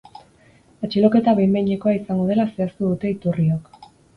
Atxiloketa behin-behinekoa izango dela zehaztu dute iturriok.